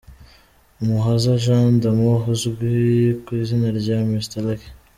Umuhoza Jean d'Amour uzwi ku izina rya Mr Lucky.